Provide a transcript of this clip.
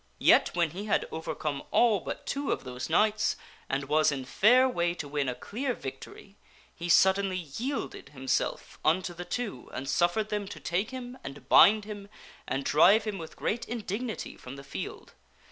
Yet, when he had overcome all but two of those knights, and was in fair way to win a clear victory, he suddenly yielded himself unto the two and suffered them to take him and bind him and drive him with great indignity from the field.